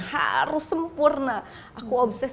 harus sempurna aku obses